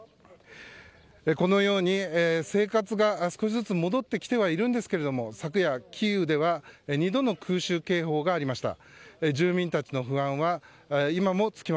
このように、生活が少しずつ戻ってきてはいるんですけれども昨夜、キーウでは２度の空襲警報がありました。